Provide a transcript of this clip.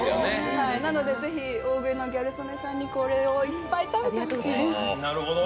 なのでぜひ大食いのギャル曽根さんにいっぱいこれを食べてほしいです。